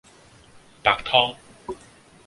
白湯